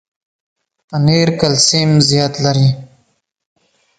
پنېر کلسیم زیات لري.